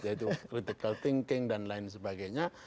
yaitu critical thinking dan lain sebagainya